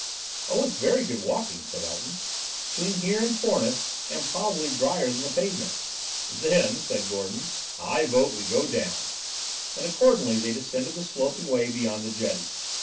"Oh, it's very good walking," said Elton, "between here and Foreness, and probably drier than the pavement." "Then," said Gordon, "I vote we go down;" and accordingly they descended the sloping way beyond the jetty.